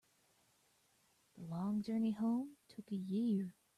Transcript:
The long journey home took a year.